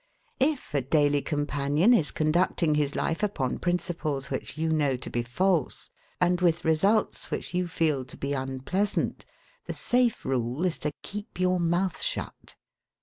If a daily companion is conducting his life upon principles which you know to be false, and with results which you feel to be unpleasant, the safe rule is to keep your mouth shut.